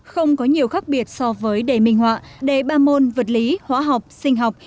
không có nhiều khác biệt so với đề minh họa đề ba môn vật lý hóa học sinh học